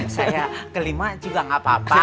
saya kelima juga gak apa apa